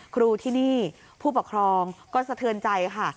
ครูที่นี่ผู้ปกครองก็สะเทือนใจค่ะ